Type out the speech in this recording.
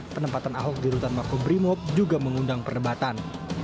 penempatan ahok di rutan mako brimob juga mengundang perdebatan